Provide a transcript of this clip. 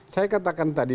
saya katakan tadi